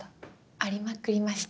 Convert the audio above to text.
ありまくりました。